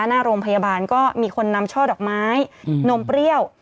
หน้าโรงพยาบาลก็มีคนนำช่อดอกไม้นมเปรี้ยว